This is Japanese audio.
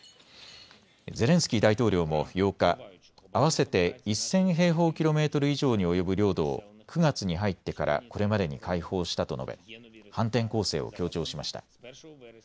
ゼレンスキー大統領も８日、合わせて１０００平方キロメートル以上に及ぶ領土を９月に入ってからこれまでに解放したと述べ反転攻勢を強調しました。